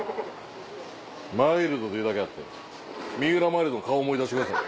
「マイルド」というだけあって三浦マイルドの顔思い出してください。